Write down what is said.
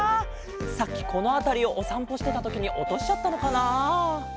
さっきこのあたりをおさんぽしてたときにおとしちゃったのかな。